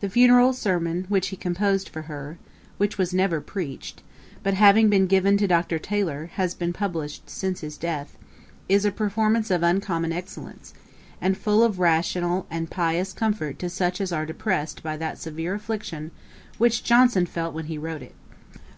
The funeral sermon which he composed for her, which was never preached, but having been given to Dr. Taylor, has been published since his death, is a performance of uncommon excellence, and full of rational and pious comfort to such as are depressed by that severe affliction which Johnson felt when he wrote it.